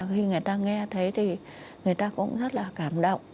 khi người ta nghe thấy thì người ta cũng rất là cảm động